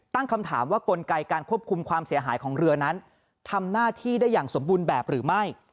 ตั้งคำถามว่ากลไกการควบคุมความเสียหายของเรือนั้นทำหน้าที่ได้อย่างสมบูรณ์แบบหรือไม่